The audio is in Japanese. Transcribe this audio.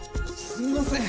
すみません！